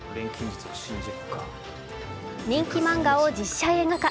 人気漫画を実写映画化。